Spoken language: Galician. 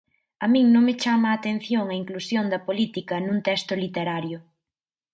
A min non me chama a atención a inclusión da política nun texto literario.